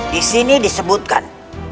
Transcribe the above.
di sini disebutkan